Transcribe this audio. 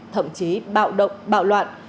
thậm chí bạo động bạo loạn